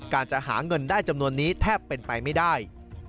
จะหาเงินได้จำนวนนี้แทบเป็นไปไม่ได้